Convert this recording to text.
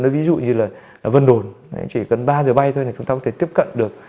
ví dụ như là vân đồn chỉ cần ba giờ bay thôi thì chúng ta có thể tiếp cận được